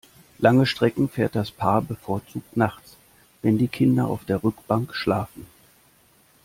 Lange Strecken fährt das Paar bevorzugt nachts, wenn die Kinder auf der Rückbank schlafen.